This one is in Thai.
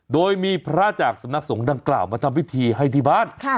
โดยมีพระจากสำนักสงฆ์ดังกล่าวมาทำพิธีให้ที่บ้าน